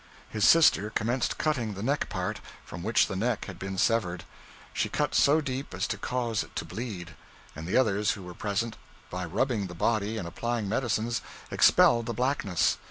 His sister commenced cutting the neck part, from which the neck had been severed. She cut so deep as to cause it to bleed; and the others who were present, by rubbing the body and applying medicines, expelled the blackness.